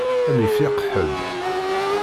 Ad m-ifiq ḥedd.